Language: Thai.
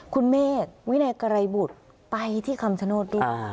คุณเมฆวินัยไกรบุตรไปที่คำชโนธด้วย